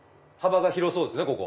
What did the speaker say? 幅が広そうですね